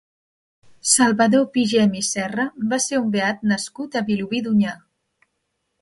Salvador Pigem i Serra va ser un beat nascut a Vilobí d'Onyar.